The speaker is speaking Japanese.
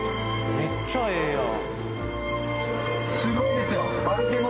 めっちゃええやん